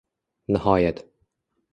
Nihoyat